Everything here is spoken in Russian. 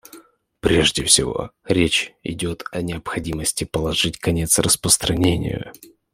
Прежде всего речь идет о необходимости положить конец распространению.